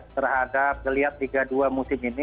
terhadap geliat liga dua musim ini